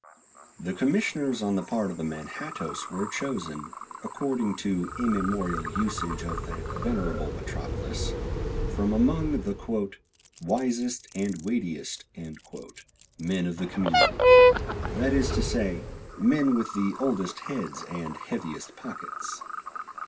The commissioners on the part of the Manhattoes were chosen, according to immemorial usage of that venerable metropolis, from among the "wisest and weightiest" men of the community; that is to say, men with the oldest heads and heaviest pockets.